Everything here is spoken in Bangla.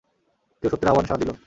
কেউ সত্যের আহবানে সাড়া দিল।